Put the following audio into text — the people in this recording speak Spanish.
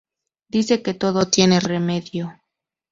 Dice que todo tiene remedio.